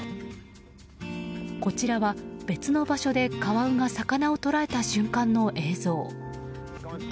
こちらは、別の場所でカワウが魚を捕らえた瞬間の映像。